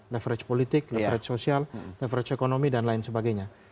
leverage politik leverage sosial leverage ekonomi dan lain sebagainya